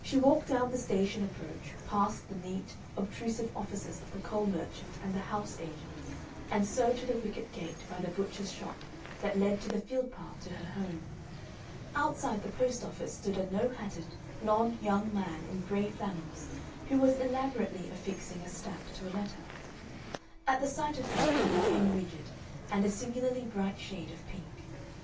She walked down the station approach, past the neat, obtrusive offices of the coal merchant and the house agent, and so to the wicket gate by the butcher's shop that led to the field path to her home. Outside the post office stood a no hatted, blond young man in gray flannels, who was elaborately affixing a stamp to a letter. At the sight of her he became rigid and a singularly bright shade of pink.